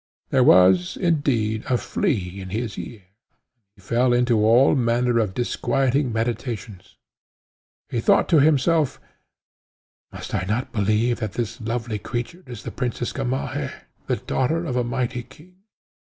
There was, indeed, a flea in his ear, and he fell into all manner of disquieting meditations. He thought to himself, "Must I not believe that this lovely creature is the Princess Gamaheh, the daughter of a mighty king?